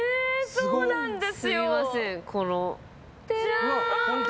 そうなんです。